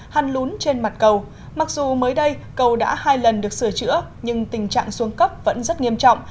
hăn lún trên mặt cầu mặc dù mới đây cầu đã hai lần được sửa chữa nhưng tình trạng xuống cấp vẫn rất nghiêm trọng